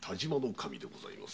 守殿でございます。